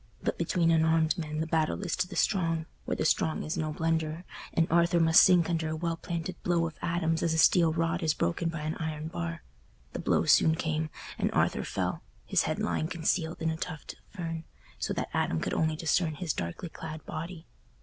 But between unarmed men the battle is to the strong, where the strong is no blunderer, and Arthur must sink under a well planted blow of Adam's as a steel rod is broken by an iron bar. The blow soon came, and Arthur fell, his head lying concealed in a tuft of fern, so that Adam could only discern his darkly clad body.